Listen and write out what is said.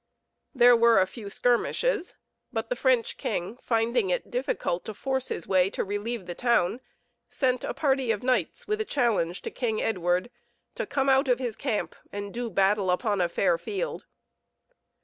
There were a few skirmishes, but the French king, finding it difficult to force his way to relieve the town, sent a party of knights with a challenge to King Edward to come out of his camp and do battle upon a fair field.